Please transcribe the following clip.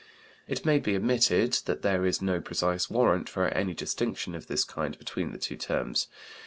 It may be admitted that there is no precise warrant for any distinction of this kind between the two terms.